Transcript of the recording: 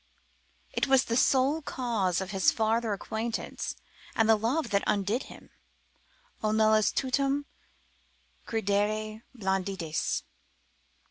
——— It was the sole cause of his farther acquaintance, and love that undid him. O nullis tutum credere blanditiis.